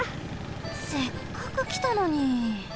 せっかくきたのに！